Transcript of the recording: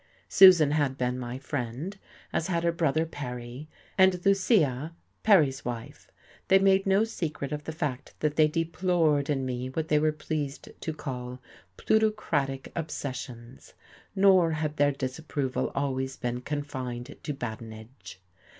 Susan had been my friend, as had her brother Perry, and Lucia, Perry's wife: they made no secret of the fact that they deplored in me what they were pleased to call plutocratic obsessions, nor had their disapproval always been confined to badinage.